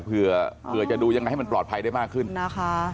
เผื่อจะดูยังไงให้มันปลอดภัยได้มากขึ้นนะคะ